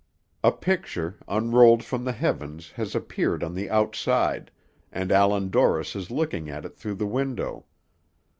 A picture, unrolled from the heavens, has appeared on the outside, and Allan Dorris is looking at it through the window.